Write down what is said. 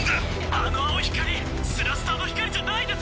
あの青い光スラスターの光じゃないですよ！